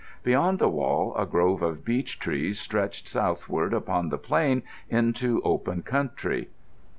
Beyond the wall a grove of beech trees stretched southward upon the plain into open country.